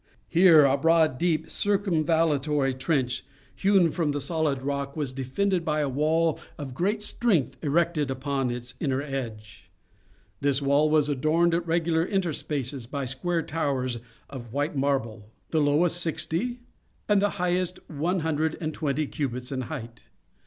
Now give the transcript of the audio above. Here, a broad, deep, circumvallatory trench, hewn from the solid rock, was defended by a wall of great strength erected upon its inner edge. This wall was adorned, at regular interspaces, by square towers of white marble; the lowest sixty, and the highest one hundred and twenty cubits in height.